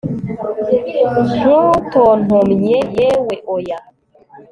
ntutontomye yewe oya